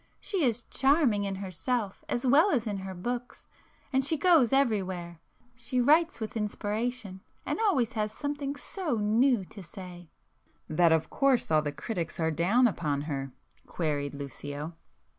She is charming in herself as well as in her books, and she goes everywhere. She writes with inspiration,—and always has something so new to say—" "That of course all the critics are down upon her?" queried Lucio.